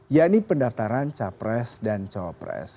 yakni pendaftaran capres dan cawapres